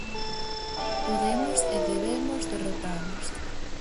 Podemos e debemos derrotalos.